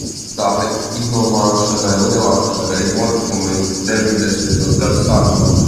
Tā iznomāšana lielākoties ir notikusi deviņdesmito gadu sākumā.